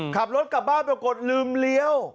ขับรถกลับบ้านปรากฏลืมเลี้ยว